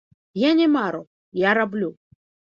Я не мару, я раблю.